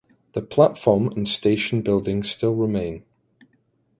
The platform and station building still remain.